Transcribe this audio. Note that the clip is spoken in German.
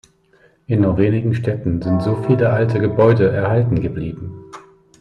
In nur wenigen Städten sind so viele alte Gebäude erhalten geblieben.